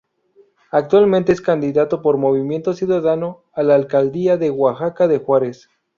Actualmente es candidato por Movimiento Ciudadano al Alcaldía de Oaxaca de Juárez.